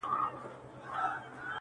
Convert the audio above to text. دا څنګه چل دی د ژړا او د خندا لوري~